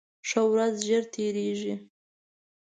ښه ورځ ژر تېرېږي